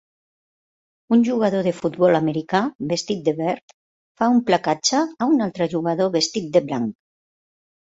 Un jugador de futbol americà vestit de verd fa un placatge a un altre jugador vestit de blanc